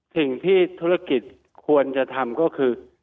สิ่งที่ธุรกิจควรจะทำก็คือ